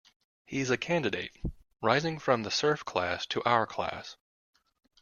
He is a candidate, rising from the serf class to our class.